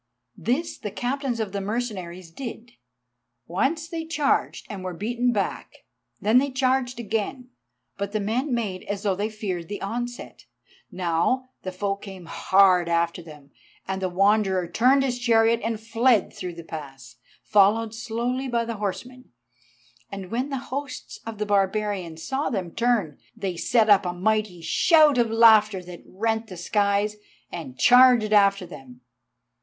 This the Captains of the mercenaries did. Once they charged and were beaten back, then they charged again, but the men made as though they feared the onset. Now the foe came hard after them, and the Wanderer turned his chariot and fled through the pass, followed slowly by the horsemen. And when the hosts of the barbarians saw them turn, they set up a mighty shout of laughter that rent the skies, and charged after them.